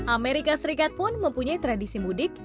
amerika serikat pun mempunyai tradisi mudik